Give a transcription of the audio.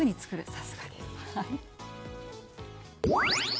さすがです。